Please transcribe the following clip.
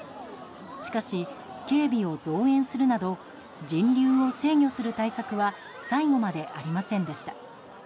しかし、警備を増援するなど人流を制御する対策は最後までありませんでした。